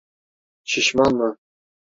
Şişman mı?